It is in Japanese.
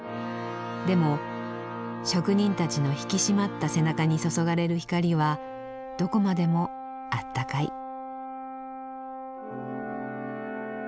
でも職人たちの引き締まった背中に注がれる光はどこまでもあったかい。